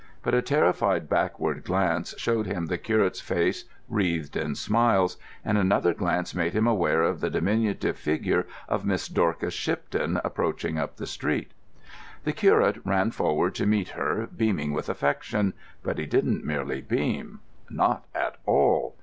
But a terrified backward glance showed him the curate's face wreathed in smiles, and another glance made him aware of the diminutive figure of Miss Dorcas Shipton approaching up the street. The curate ran forward to meet her, beaming with affection. But he didn't merely beam. Not at all.